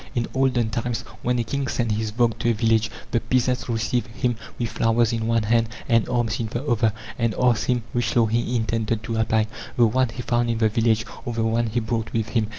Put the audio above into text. In olden times, when a king sent his vogt to a village, the peasants received him with flowers in one hand and arms in the other, and asked him which law he intended to apply: the one he found in the village, or the one he brought with him?